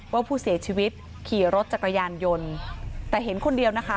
ว่าผู้เสียชีวิตขี่รถจักรยานยนต์แต่เห็นคนเดียวนะคะ